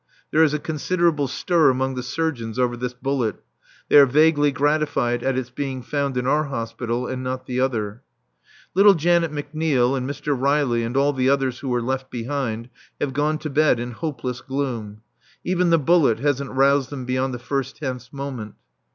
There is a considerable stir among the surgeons over this bullet. They are vaguely gratified at its being found in our hospital and not the other. Little Janet McNeil and Mr. Riley and all the others who were left behind have gone to bed in hopeless gloom. Even the bullet hasn't roused them beyond the first tense moment.